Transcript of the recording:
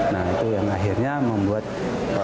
nah itu yang akhirnya membuat